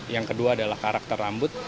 yang kedua adalah karakter rambut